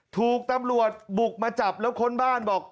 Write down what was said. ถูกตำรวจบุกมาจับแล้วค้นบ้านบอก